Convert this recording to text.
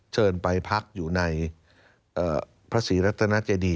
เชิญไปพักอยู่ในพระศรีรัตนาเจดี